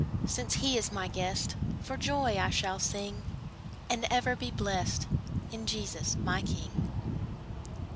Since He is my guest, For joy I shall sing, And ever be blest In Jesus my King.